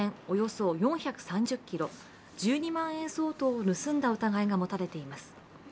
およそ４３０ｋｇ、１２万円相当を盗んだ疑いが持たれています。